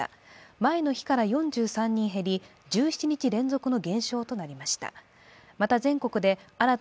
前の日から４３人減り、１７日連続の減少となりました。